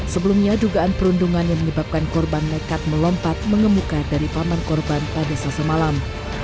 sebelumnya dugaan perundungan yang menyebabkan korban nekat melompat mengemuka dari paman korban pada selasa malam